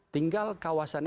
tinggal kawasan itu